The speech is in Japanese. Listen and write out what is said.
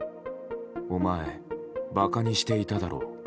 お前、バカにしていただろう。